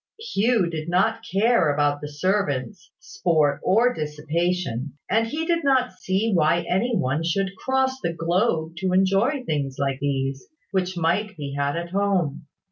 Hugh did not care about the servants, sport, or dissipation; and he did not see why any one should cross the globe to enjoy things like these, which might be had at home.